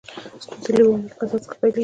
ستونزه له عمومي قضاوت څخه پیلېږي.